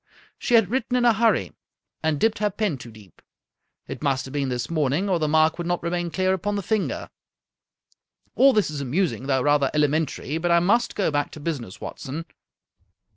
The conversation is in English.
She had written in a hurry, and dipped her pen too deep. It must have been this morning, or the mark would not remain clear upon the finger. All this is amusing, though rather elementary, but I must go back to business, Watson.